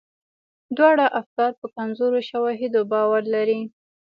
دواړه افکار په کمزورو شواهدو باور لري.